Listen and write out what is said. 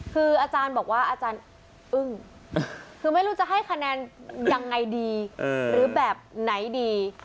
คืออาจารย์บอกว่าอาจารย์อึ้งคือไม่รู้จะให้คะแนนยังไงดีหรือแบบไหนดี